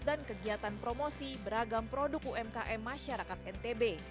dan kegiatan promosi beragam produk umkm masyarakat ntb